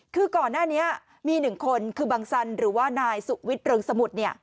คือก่อนหน้านี้มีหนึ่งคนคือบางซันหรือว่านายสุวิตรึงสมุทรเนี่ย